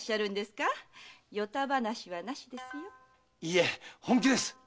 いえ本気です。